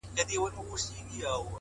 عاجزي دروازې پرانیزي؛